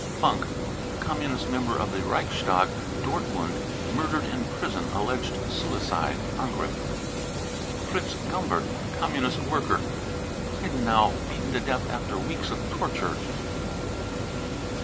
funk, Communist member of the Riechstag, Dortmund, murdered in prison, alleged suicide. (Angriff.) fritz gumbert, Communist worker, Heidenau, beaten to death after weeks of torture.